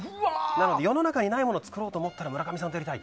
なので世の中にないものを作ろうと思ったら村上さんと。